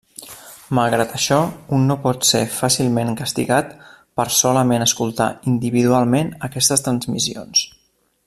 Malgrat això, un no pot ser fàcilment castigat per solament escoltar individualment aquestes transmissions.